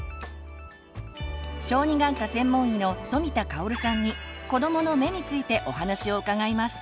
小児眼科専門医の富田香さんに「子どもの目」についてお話を伺います。